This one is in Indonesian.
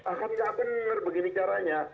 akan nggak benar begini caranya